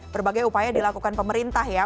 berbagai upaya dilakukan pemerintah ya